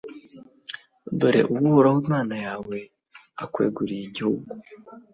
dore uhoraho imana yawe akweguriye igihugu.